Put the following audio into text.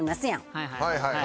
はいはいはい。